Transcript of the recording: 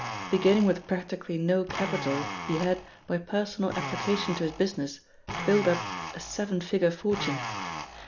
Beginning with practically no capital, he had, by personal application to his business, built up a seven figure fortune.